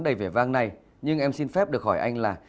đầy vẻ vang này nhưng em xin phép được hỏi anh là